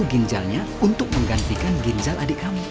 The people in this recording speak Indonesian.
ginjalnya untuk menggantikan ginjal adik kamu